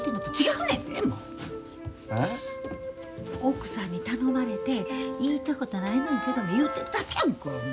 奥さんに頼まれて言いたいことないねんけど言うてるだけやんか。